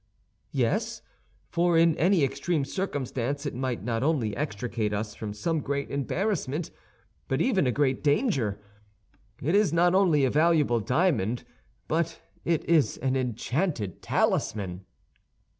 "Yes, for in any extreme circumstance it might not only extricate us from some great embarrassment, but even a great danger. It is not only a valuable diamond, but it is an enchanted talisman."